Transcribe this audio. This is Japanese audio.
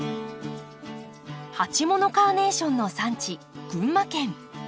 鉢物カーネーションの産地群馬県。